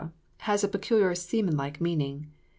has a peculiar seamanlike meaning.